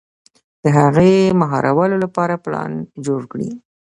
د هغې د مهارولو لپاره پلان جوړ کړي.